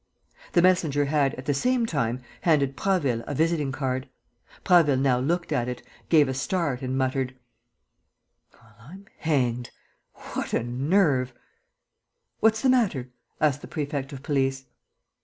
The messenger had, at the same time, handed Prasville a visiting card. Prasville now looked at it, gave a start and muttered: "Well, I'm hanged! What a nerve!" "What's the matter?" asked the prefect of police.